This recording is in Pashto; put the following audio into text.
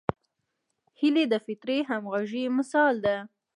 هیلۍ د فطري همغږۍ مثال ده